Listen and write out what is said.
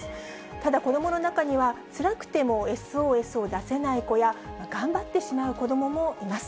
ただ、子どもの中には、つらくてもＳＯＳを出せない子や、頑張ってしまう子どももいます。